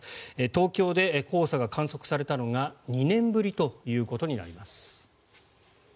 東京で黄砂が観測されたのは２年ぶりということになります。